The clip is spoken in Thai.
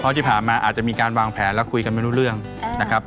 เพราะที่ผ่านมาอาจจะมีการวางแผนแล้วคุยกันไม่รู้เรื่องนะครับ